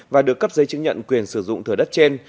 và được cấp giấy chứng nhận quyền sử dụng thửa đất trên